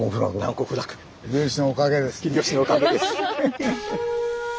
秀吉のおかげです。